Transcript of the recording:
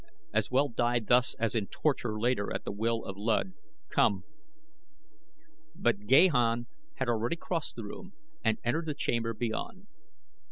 As well die thus as in torture later at the will of Luud. Come!" But Gahan had already crossed the room and entered the chamber beyond.